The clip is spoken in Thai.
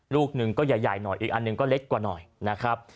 ลูกหนึ่งก็ใหญ่หน่อยอีกอันหนึ่งก็เล็กกว่าหน่อยนะครับ